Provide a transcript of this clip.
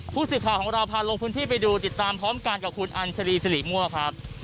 ผู้สื่อข่าวของเราพาลงพื้นที่ไปดูติดตามพร้อมกันกับคุณอัญชรีสิริมั่วครับ